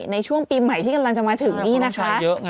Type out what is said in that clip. ในช่วงปีใหม่ที่กำลังจะมาถึงนี่นะคะ